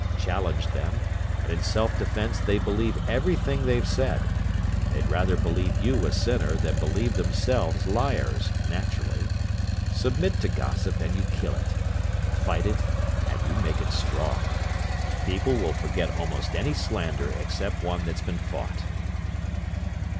Challenge them, and in self defense they believe everything they've said: they'd rather believe you a sinner than believe themselves liars, naturally. Submit to gossip and you kill it; fight it and you make it strong. People will forget almost any slander except one that's been fought."